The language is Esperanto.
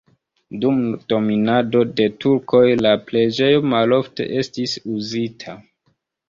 Dum dominado de turkoj la preĝejo malofte estis uzita.